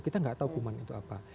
kita nggak tahu kuman itu apa